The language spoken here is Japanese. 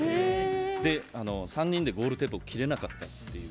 ３人でゴールテープを切れなかったっていう。